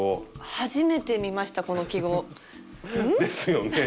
初めて見ましたこの記号。ですよね。